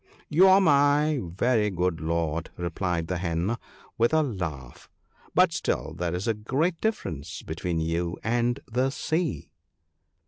" You are my very good Lord," replied the Hen, with a laugh ;" but still there is a great difference between you and the Sea."